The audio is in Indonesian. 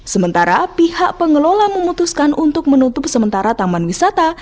sementara pihak pengelola memutuskan untuk menutup sementara taman wisata